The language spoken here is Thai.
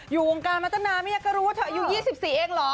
อยู่วงการมาตั้งนานไม่อยากจะรู้ว่าเธออายุ๒๔เองเหรอ